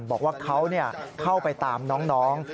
บอกว่าเขาเข้าไปตามน้อง